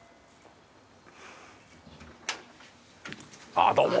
あっどうも。